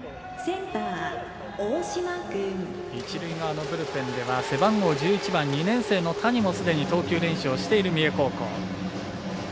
一塁側のブルペンでは背番号１番２年生の谷も、すでに投球練習をしている三重高校。